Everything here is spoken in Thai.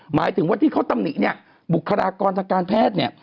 หมายถึงว่าที่เขาตำหนิเนี่ยบุคลากรทางการแพทย์เนี่ย